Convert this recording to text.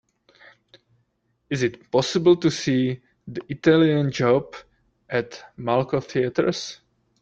Is it possible to see The Italian Job at Malco Theatres